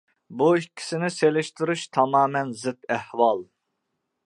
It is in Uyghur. بۇ ئىككىسىنى سېلىشتۇرۇش تامامەن زىت ئەھۋال.